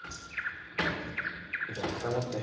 じゃあ下持って。